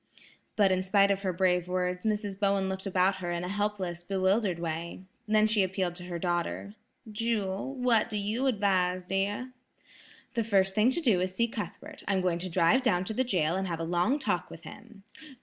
But in spite of her brave words, Mrs. Bowen looked about her in a helpless, bewildered way. Then she appealed to her daughter, "Jewel, what do you advise, dear?" "The first thing to do is to see Cuthbert; I'm going to drive down to the jail and have a long talk with him."